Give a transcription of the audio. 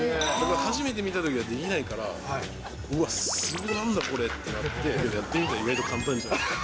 初めて見たときはできないから、うわっ、なんだこれ？ってなって、やってみたら意外と簡単じゃんって。